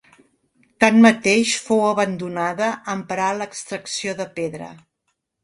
Tanmateix fou abandonada en parar l'extracció de pedra.